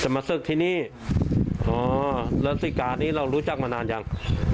มาศึกที่นี่อ๋อแล้วสิการ์ดนี้เรารู้จักมานานยัง